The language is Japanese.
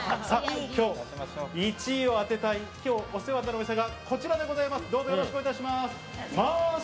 今日１位を当てたい、お世話になるお店がこちらでございます。